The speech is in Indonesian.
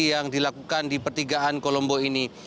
yang dilakukan di pertigaan kolombo ini